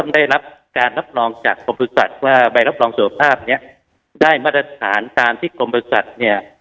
ได้รับการรับรองจากกรมบริษัทว่าใบรับรองสุขภาพเนี่ยได้มาตรฐานตามที่กรมบริษัทเนี่ย